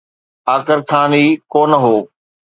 اڪر خان ئي ڪو نه هو.